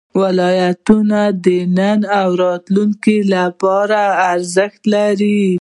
ولایتونه د نن او راتلونکي لپاره ارزښت لري.